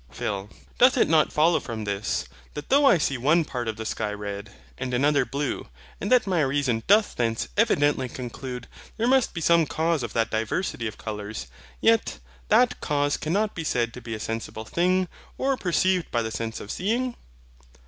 PHIL. Doth it not follow from this, that though I see one part of the sky red, and another blue, and that my reason doth thence evidently conclude there must be some cause of that diversity of colours, yet that cause cannot be said to be a sensible thing, or perceived by the sense of seeing?